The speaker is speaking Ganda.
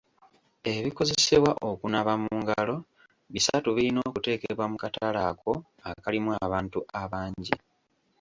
Ebikozesebwa okunaaba mu ngalo bisatu birina okuteekebwa mu katale ako akalimu abantu abangi.